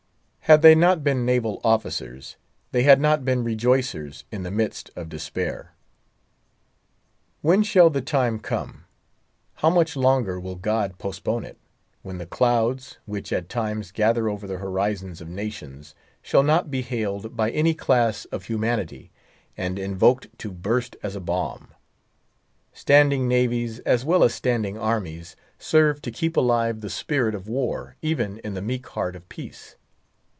Had they not been naval officers, they had not been rejoicers in the midst of despair. When shall the time come, how much longer will God postpone it, when the clouds, which at times gather over the horizons of nations, shall not be hailed by any class of humanity, and invoked to burst as a bomb? Standing navies, as well as standing armies, serve to keep alive the spirit of war even in the meek heart of peace.